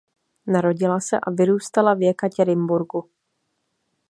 Narodila se a vyrůstala v Jekatěrinburgu.